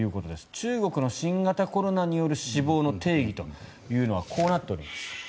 中国の新型コロナによる死亡の定義というのはこうなっております。